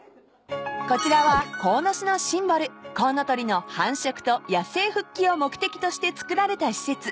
［こちらは鴻巣のシンボルコウノトリの繁殖と野生復帰を目的として造られた施設］